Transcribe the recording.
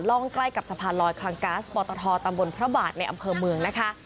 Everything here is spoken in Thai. ร่องใกล้กับสะพานลอยคลังก๊าซปตทตำบลพระบาทในอำเภอเมืองนะคะ